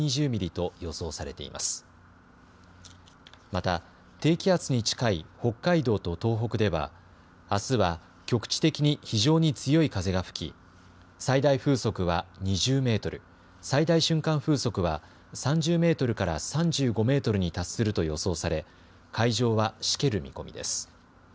また低気圧に近い北海道と東北ではあすは局地的に非常に強い風が吹き、最大風速は２０メートル、最大瞬間風速は３０メートルから３５メートルに達すると予想され海上はしける見込みです。